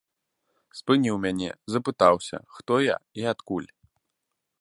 Спыніў мяне, запытаўся, хто я і адкуль.